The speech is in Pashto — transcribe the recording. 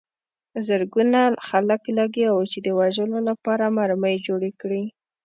زرګونه خلک لګیا وو چې د وژلو لپاره مرمۍ جوړې کړي